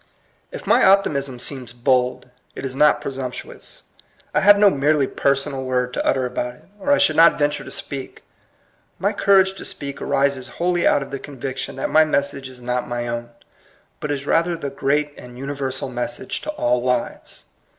If my optimism seems bold, it is not presumptuous. I have no merely personal word to utter about it, or I should not venture to speak. My courage to speak arises wholly out of the conviction that my message is not my own, but is rather the great and universal message to all lives.